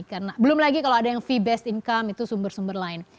karena belum lagi kalau ada yang fee based income itu sumber sumber lain